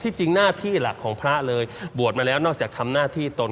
จริงหน้าที่หลักของพระเลยบวชมาแล้วนอกจากทำหน้าที่ตน